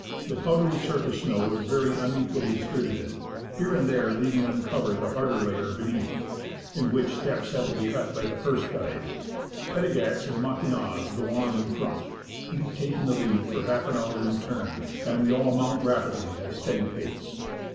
The powdery surface snow is 151 THE ASCENT OF MOUNT ST. ELIAS very unequally distributed, here and there leaving uncovered the harder layer beneath, in which steps have to be cut by the first guide. Petigax and Maguignaz go on in front, each taking the lead for half an hour in turn, and we all mount rapidly at a steady pace.